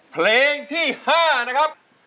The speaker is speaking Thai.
เพลงที่๕นะครับ